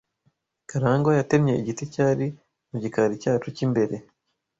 Karangwa yatemye igiti cyari mu gikari cyacu cy'imbere.